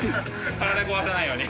体壊さないように。